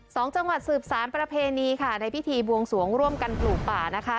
จังหวัดสืบสารประเพณีค่ะในพิธีบวงสวงร่วมกันปลูกป่านะคะ